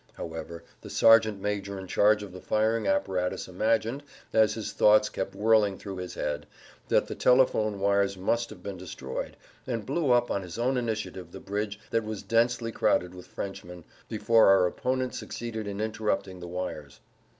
However, the sergeant major in charge of the firing apparatus imagined, as his thoughts kept whirling through his head, that the telephone wires must have been destroyed, and blew up on his own initiative the bridge that was densely crowded with Frenchmen, before our opponent succeeded in interrupting the wires.